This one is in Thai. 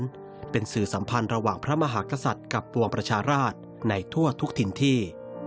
ซึ่งเป็นสื่อสัมพันธ์ระหว่างพระมหากษัตริย์กับปวงประชาราชในทั่วทุกถิ่นที่